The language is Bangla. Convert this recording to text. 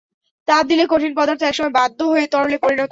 তাপ দিলে কঠিন পদার্থ এক সময় বাধ্য হয়ে তরলে পরিণত হয়।